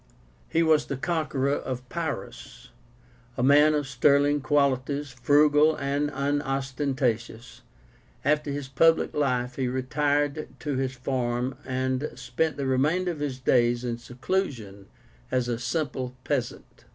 He was the conqueror of Pyrrhus. A man of sterling qualities, frugal and unostentatious, after his public life he retired to his farm and spent the remainder of his days in seclusion as a simple peasant.